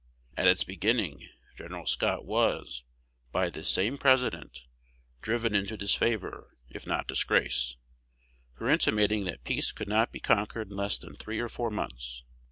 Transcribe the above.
At its beginning, Gen. Scott was, by this same President, driven into disfavor, if not disgrace, for intimating that peace could not be conquered in less than three or four months.